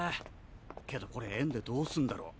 けどこれエンデどうすんだろ？